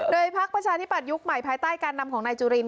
โดยพักประชาธิบัตยุคใหม่ภายใต้การนำของนายจุลิน